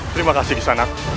terima kasih gisanak